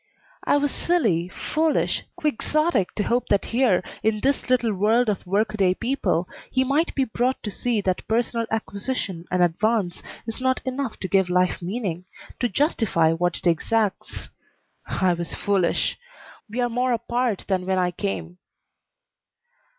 I was silly, foolish, quixotic to hope that here, in this little world of workaday people, he might be brought to see that personal acquisition and advance is not enough to give life meaning, to justify what it exacts. I was foolish. We are more apart than when I came.